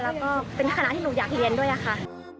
แล้วก็เป็นคณะที่หนูอยากเรียนด้วยค่ะ